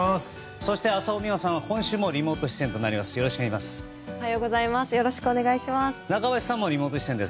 そして浅尾美和さんは今週もリモート出演です。